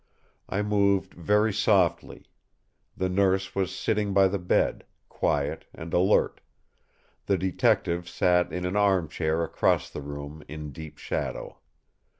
I moved very softly. The Nurse was sitting by the bed, quiet and alert; the Detective sat in an arm chair across the room in deep shadow.